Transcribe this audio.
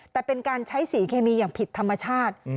แต่เป็นการใช้สีเคมีอย่างผิดธรรมชาติ